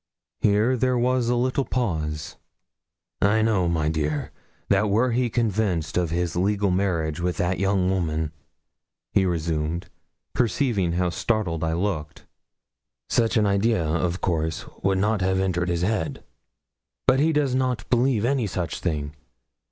Here there was a little pause. 'I know, my dear, that were he convinced of his legal marriage with that young woman,' he resumed, perceiving how startled I looked, 'such an idea, of course, would not have entered his head; but he does not believe any such thing.